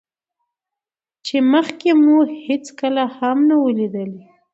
چې مخکې مو هېڅکله هم نه وو ليدلى.